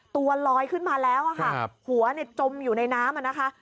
ตัวลอยขึ้นมาแล้วหัวจมอยู่ในน้ำ